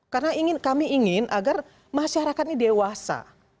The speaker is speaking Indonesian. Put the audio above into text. karena kami ingin agar masyarakat ini dewasa